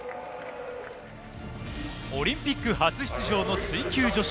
オリンピック初出場の水球女子。